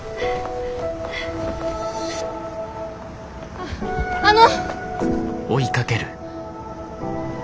あっあの！